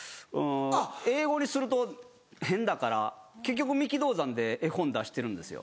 英語にすると変だから結局三木道三で絵本出してるんですよ。